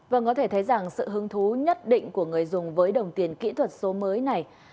vâng có thể thấy rằng sự hứng thú nhất định của người dùng với đồng tiền kỹ thuật số mới này